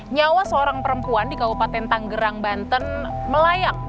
nyawa seorang perempuan di kabupaten tanggerang banten melayang